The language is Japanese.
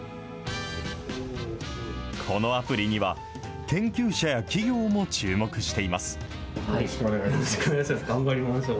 このアプリには、研究者や企業も注目しています。